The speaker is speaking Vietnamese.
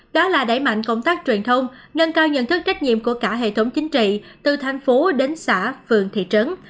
đó là đẩy mạnh công tác truyền thông nâng cao nhận thức trách nhiệm của cả hệ thống chính trị từ thành phố đến xã phường thị trấn